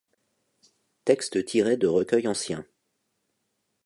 Textes tirés de recueils anciens.